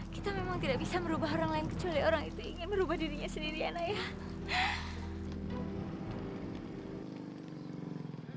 kita memang tidak bisa merubah orang lain kecuali orang itu ingin merubah dirinya sendiri enak ya